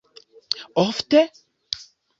Ofte?